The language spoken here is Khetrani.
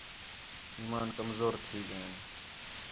ایمان کمزور تھی ڳئین